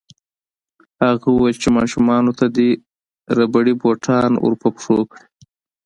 هغه وویل چې ماشومانو ته دې ربړي بوټان ورپه پښو کړي